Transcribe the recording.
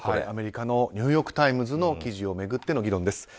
アメリカのニューヨーク・タイムズの記事を巡っての議論です。